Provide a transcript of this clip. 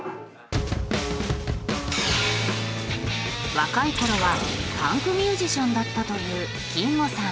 若い頃はパンクミュージシャンだったというキンモさん。